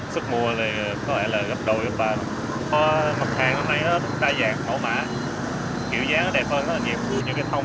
sức mùa thì có lẽ là gặp đôi với bà mặt hàng năm nay nó đa dạng mẫu mã kiểu dáng nó đẹp hơn nó là nhiều mẫu như cây thông